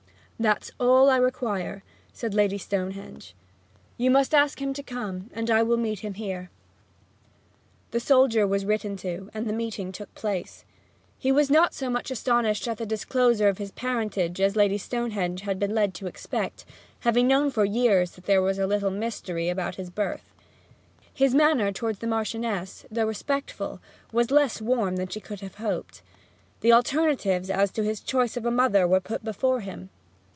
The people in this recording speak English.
'That's all I require,' said Lady Stonehenge. 'You must ask him to come, and I will meet him here.' The soldier was written to, and the meeting took place. He was not so much astonished at the disclosure of his parentage as Lady Stonehenge had been led to expect, having known for years that there was a little mystery about his birth. His manner towards the Marchioness, though respectful, was less warm than she could have hoped. The alternatives as to his choice of a mother were put before him.